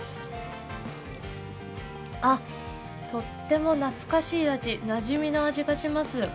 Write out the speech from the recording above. とっても懐かしい味、なじみの味がします。